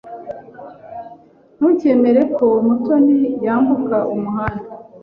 Ntukemere ko Mutoni yambuka umuhanda.